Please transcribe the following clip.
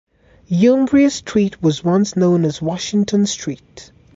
Umbria Street was once known as Washington Street.